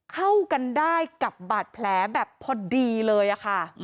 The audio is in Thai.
เข้ากันได้กับบาดแผลแบบพอดีเลยค่ะ